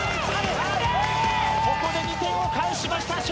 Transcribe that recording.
ここで２点を返しました笑